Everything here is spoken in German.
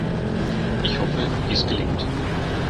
Ich hoffe, dies gelingt.